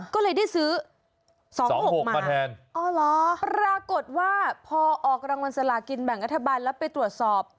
ก็เลยได้ซื้อ๒๖มาแทนปรากฏว่าพอออกรางวัลสลากินแบ่งรัฐบาลแล้วไปตรวจสอบ